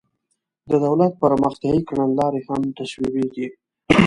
د دولت پرمختیایي کړنلارې هم تصویبیږي.